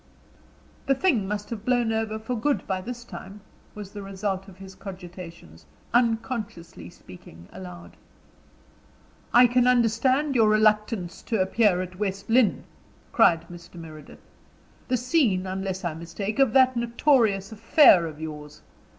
"The thing must have blown over for good by this time," was the result of his cogitations, unconsciously speaking aloud. "I can understand your reluctance to appear at West Lynne," cried Mr. Meredith; "the scene, unless I mistake, of that notorious affair of yours.